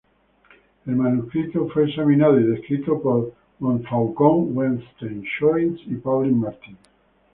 El manuscrito fue examinado y descrito por Montfaucon, Wettstein, Scholz, y Paulin Martin.